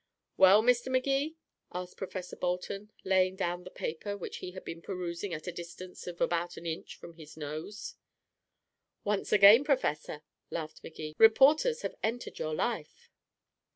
"Well, Mr. Magee?" asked Professor Bolton, laying down the paper which he had been perusing at a distance of about an inch from his nose. "Once again, Professor," laughed Magee, "reporters have entered your life."